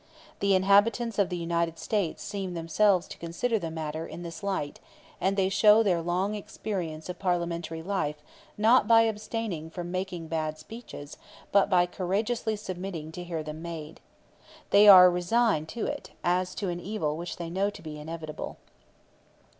The inhabitants of the United States seem themselves to consider the matter in this light; and they show their long experience of parliamentary life not by abstaining from making bad speeches, but by courageously submitting to hear them made. They are resigned to it, as to an evil which they know to be inevitable.